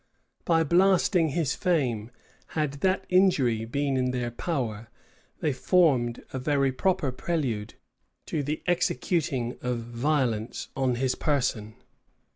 [] By blasting his fame, had that injury been in their power, they formed a very proper prelude to the executing of violence on his person.